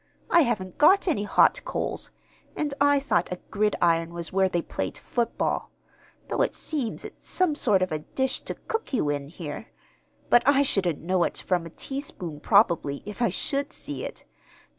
"I haven't got any 'hot coals,' and I thought a 'gridiron' was where they played football; though it seems it's some sort of a dish to cook you in, here but I shouldn't know it from a teaspoon, probably, if I should see it.